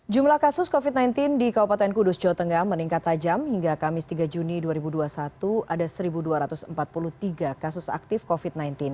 jumlah kasus covid sembilan belas di kabupaten kudus jawa tengah meningkat tajam hingga kamis tiga juni dua ribu dua puluh satu ada satu dua ratus empat puluh tiga kasus aktif covid sembilan belas